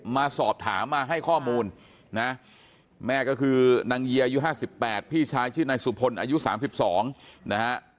มาสอบถามมาให้ข้อมูลนะแม่ก็คือนางเยียอายุ๕๘พี่ชายชื่อนายสุพลอายุ๓๒นะฮะ